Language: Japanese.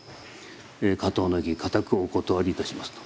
「掛搭の儀固くお断りいたします」と。